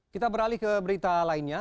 kita beralih ke berita lainnya